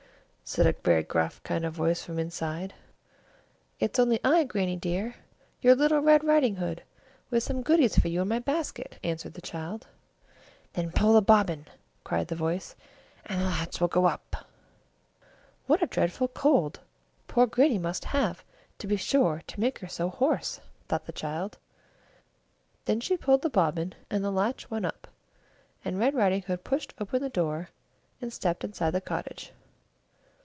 said a very gruff kind of voice from inside. "It's only I, Grannie dear, your little Red Riding Hood with some goodies for you in my basket, answered the child. "Then pull the bobbin," cried the voice, "and the latch will go up." "What a dreadful cold poor Grannie must have, to be sure, to make her so hoarse," thought the child. Then she pulled the bobbin, and the latch went up, and Red Riding Hood pushed open the door, and stepped inside the cottage.